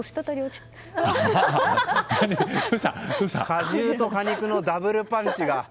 果汁と果肉のダブルパンチが。